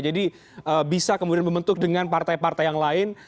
jadi bisa kemudian membentuk dengan partai partai yang lain